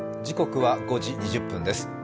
時刻は５時２０分です。